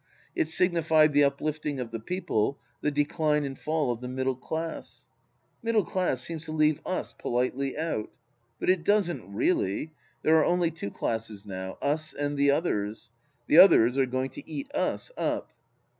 It signified the Uplifting of the People, the Decline and Fall of the Middle Class. " Middle Class " seems to leave Us politely out. But it doesn't really: there are only two classes now. Us and the Others. The Others are going to eat Us up.